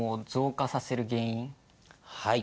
はい。